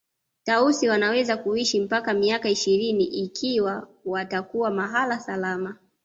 Tausi wanaweza kuishi mpaka miaka ishirini ikiwa watakuwa mahala salama